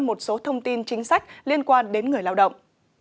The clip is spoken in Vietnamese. một số thông tin chính sách liên quan đến người lao động